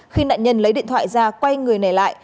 khi nạn nhân lấy điện thoại ra quay người nẻ lại